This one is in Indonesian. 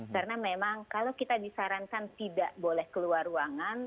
karena memang kalau kita disarankan tidak boleh keluar ruangan